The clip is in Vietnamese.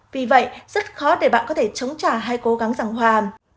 vì vậy rất khó để bạn có thể chống trả hay cố gắng rằng hòa